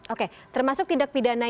oke termasuk tindak pidana